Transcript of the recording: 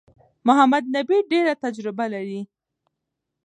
محمد نبي ډېره تجربه لري.